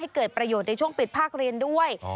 เกิดประโยชน์ในช่วงปิดภาคเรียนด้วย